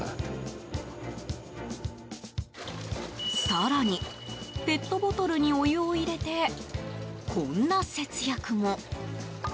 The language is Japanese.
更に、ペットボトルにお湯を入れてこんな節約も。